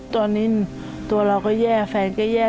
ตอนนี้ตัวเราก็แย่แฟนก็แย่